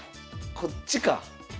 こっちか。